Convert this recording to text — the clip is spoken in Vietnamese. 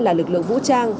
là lực lượng vũ trang